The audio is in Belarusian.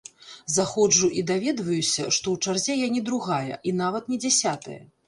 Заходжу і даведваюся, што ў чарзе я не другая, і нават не дзясятая.